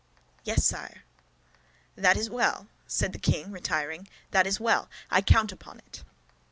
"Yes, sire." "That is well," said the king, retiring, "that is well; I count upon it."